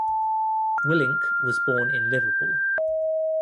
Willink was born in Liverpool.